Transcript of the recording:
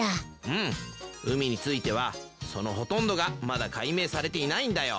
うん海についてはそのほとんどがまだ解明されていないんだよ。